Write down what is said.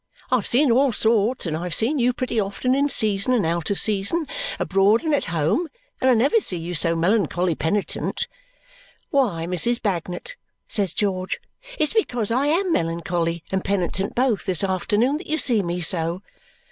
I have seen all sorts, and I have seen you pretty often in season and out of season, abroad and at home, and I never see you so melancholy penitent.' 'Why, Mrs. Bagnet,' says George, 'it's because I AM melancholy and penitent both, this afternoon, that you see me so.'